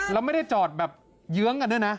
แล้วไม่ได้จอดแบบเยื้องกันด้วยนะ